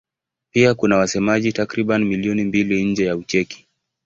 Pia kuna wasemaji takriban milioni mbili nje ya Ucheki.